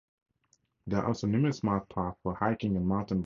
There are also numerous marked paths for hiking and mountain biking.